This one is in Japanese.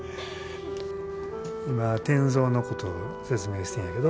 今転造のことを説明してんやけど。